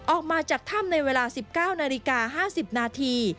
ออกมาจากถ้ำในเวลา๑๙นาฬิกา๕๐นาที